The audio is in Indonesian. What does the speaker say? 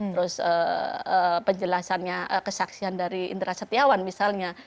terus penjelasannya kesaksian dari indra setiawan misalnya